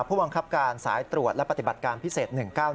ผู้บังคับการสายตรวจและปฏิบัติการพิเศษ๑๙๑